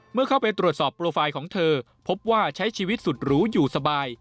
เมื่อเข้าไปตรวจสอบโปรไฟล์ของเธอพบว่าใช้ชีวิตสุดหรูอยู่สบาย